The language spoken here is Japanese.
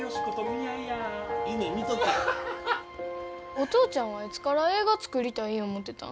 お父ちゃんはいつから映画作りたい思うてたん？